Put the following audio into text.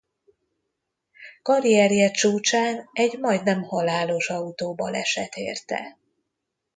Karrierje csúcsán egy majdnem halálos autóbaleset érte.